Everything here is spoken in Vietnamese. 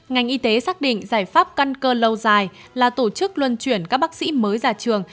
ngành y tế xác định giải pháp căn cơ lâu dài là tổ chức luân chuyển các bác sĩ mới ra trường